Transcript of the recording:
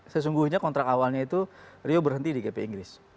sesungguhnya kontrak awalnya itu rio berhenti di gp inggris